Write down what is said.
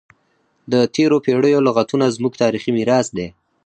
د تیرو پیړیو لغتونه زموږ تاریخي میراث دی.